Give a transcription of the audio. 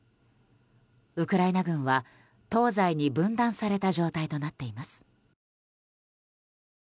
ウクライナ軍は東西に分断された状態となっています。